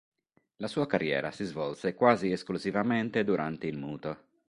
La sua carriera si svolse quasi esclusivamente durante il muto.